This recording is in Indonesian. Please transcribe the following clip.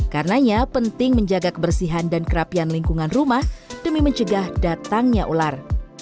karenanya penting menjaga kebersihan dan kerapian lingkungan rumah demi mencegah datangnya ular